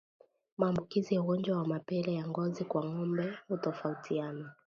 Maambukizi ya ugonjwa wa mapele ya ngozi kwa ngombe hutofautiana